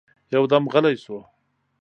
يودم غلی شو.